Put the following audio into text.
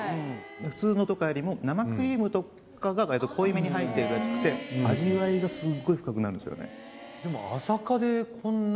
普通のとかよりも生クリームとかが濃いめに入ってるらしくて味わいがスゴい深くなるんですよね。